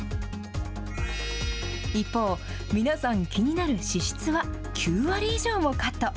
一方、皆さん、気になる脂質は９割以上もカット。